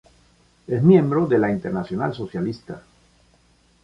Es miembro de la Internacional Socialista.